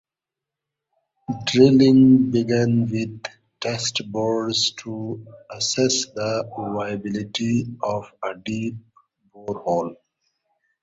Drilling began with test bores to assess the viability of a deep borehole.